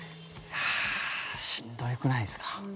しんどくないですか？